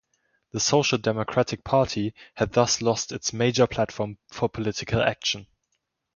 The Social Democratic Party had thus lost its major platform for political action.